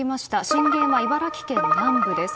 震源は茨城県南部です。